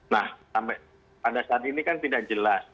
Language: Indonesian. nah sampai pada saat ini kan tidak jelas